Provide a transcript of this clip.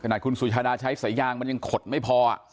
ขนาดคุณสุชาดาใช้สายยางมันยังขดไม่พอ